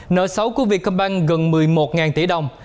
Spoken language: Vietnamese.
nợ xấu của việt cộng bang gần một mươi một tỷ đồng